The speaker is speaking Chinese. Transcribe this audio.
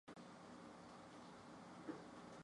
螯埃齿螯蛛为球蛛科齿螯蛛属的动物。